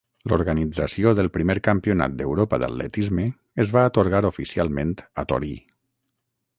L'organització del primer Campionat d'Europa d'Atletisme es va atorgar oficialment a Torí.